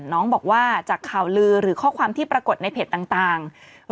น้องบอกว่าจากข่าวลือหรือข้อความที่ปรากฏในเพจต่าง